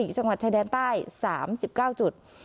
จังหวัดชายแดนใต้๓๙จุด